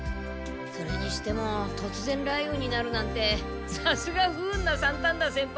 それにしてもとつぜん雷雨になるなんてさすが不運な三反田先輩ですね。